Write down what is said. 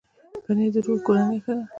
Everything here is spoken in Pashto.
پنېر د روغې کورنۍ نښه ده.